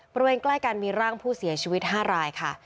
ใกล้กันมีร่างผู้เสียชีวิต๕รายค่ะ